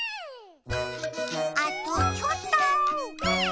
あとちょっと。